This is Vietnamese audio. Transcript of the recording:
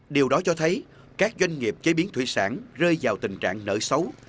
điều đó cho thấy các doanh nghiệp chế biến thủy sản rơi vào tình trạng nợ xấu